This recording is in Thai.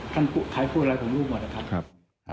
ใครพูดอะไรของลูกหมดนะครับ